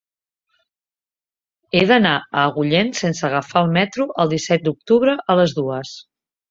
He d'anar a Agullent sense agafar el metro el disset d'octubre a les dues.